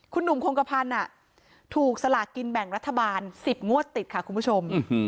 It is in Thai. คุณหนุ่มคงกระพันธ์ถูกสลากกินแบ่งรัฐบาล๑๐งวดติดค่ะคุณผู้ชม